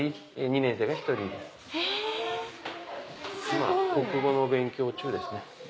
今国語の勉強中ですね。